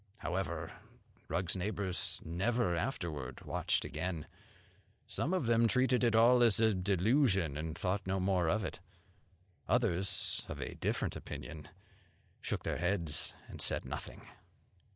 However, Rugg's neighbours never afterward watched again; some of them treated it all as a delusion, and thought no more of it. Others, of a different opinion, shook their heads and said nothing.